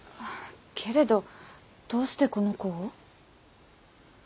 けれどどうしてこの子を？